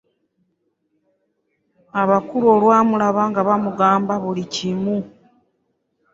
Abakulu olwamulaba nga bamugamba buli kimu.